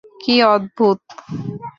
কী অদ্ভুত!